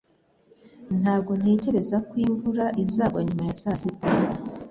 Ntabwo ntekereza ko imvura izagwa nyuma ya saa sita